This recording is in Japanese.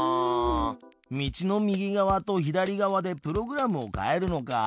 道の右側と左側でプログラムを変えるのか。